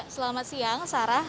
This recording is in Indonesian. selamat siang sarah